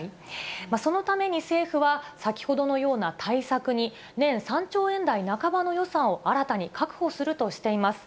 そのために政府は、先ほどのような対策に、年３兆円台半ばの予算を新たに確保するとしています。